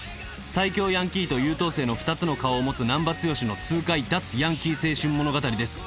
最強ヤンキーと優等生の２つの顔を持つ難破剛の痛快脱ヤンキー青春物語です。